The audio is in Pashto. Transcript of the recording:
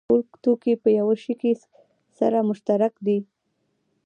ټول توکي په یوه شي کې سره مشترک دي